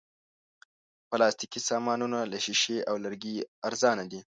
پلاستيکي سامانونه له شیشې او لرګي ارزانه دي.